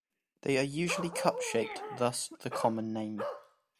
They are usually cup-shaped, thus the common name.